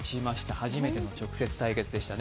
初めての直接対決でしたね。